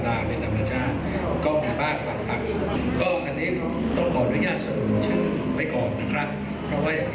อย่างน้อยที่สูงเนี่ย